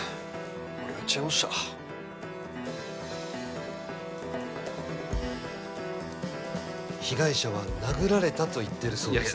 俺やっちゃいました被害者は殴られたと言ってるそうですよ